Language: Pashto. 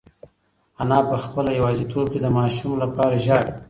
انا په خپله یوازیتوب کې د ماشوم لپاره ژاړي.